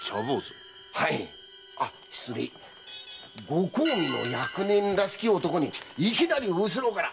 ご公儀の役人らしき男にいきなり後ろから！